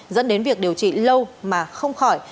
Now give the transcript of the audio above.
dẫn đến việc điều trị lâu mà không khỏi